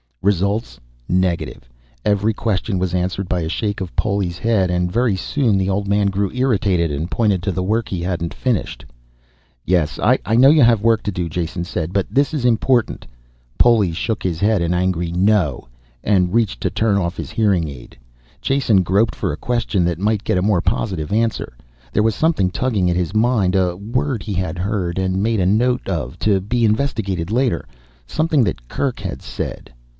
Results negative. Every question was answered by a shake of Poli's head, and very soon the old man grew irritated and pointed to the work he hadn't finished. "Yes, I know you have work to do," Jason said. "But this is important." Poli shook his head an angry no and reached to turn off his hearing aid. Jason groped for a question that might get a more positive answer. There was something tugging at his mind, a word he had heard and made a note of, to be investigated later. Something that Kerk had said